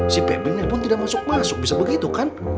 si pebingnya pun tidak masuk masuk bisa begitu kan